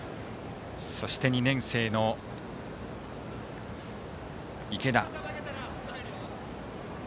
そして２年生の池田。